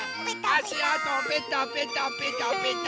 あしあとペタペタペタペタ。